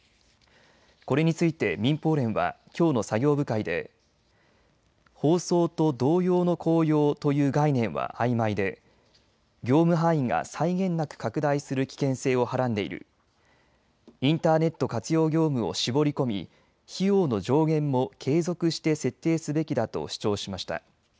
これについて民放連はきょうの作業部会で放送と同様の効用という概念はあいまいで業務範囲が際限なく拡大する危険性をはらんでいるインターネット活用業務を絞り込み費用の上限も継続して設定すべきだと主張しました。